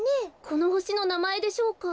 このほしのなまえでしょうか？